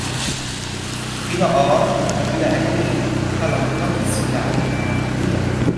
ilo o, mi wile e ni: kalama toki sina li kama mije.